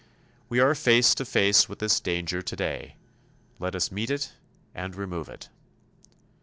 We are face to face with this danger today. Let us meet it and remove it.